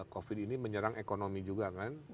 covid ini menyerang ekonomi juga kan